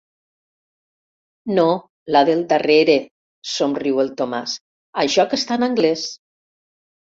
No, la del darrere –somriu el Tomàs–, això que està en anglès.